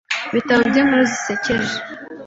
ibitabo by’inkuru zisekeje